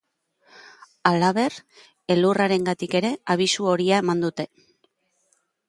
Halaber, elurrarengatik ere abisu horia eman dute.